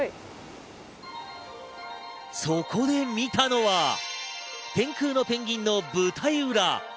そこで見たのは、天空のペンギンの舞台裏。